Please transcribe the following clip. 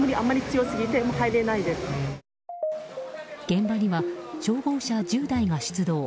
現場には消防車１０台が出動。